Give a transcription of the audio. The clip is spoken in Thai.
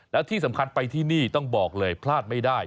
แล้วที่สำคัญไปที่นี่ต้องบอกเลยพลาดไม่ได้